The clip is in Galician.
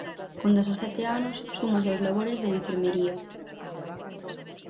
Con dezasete anos, súmase aos labores de enfermaría.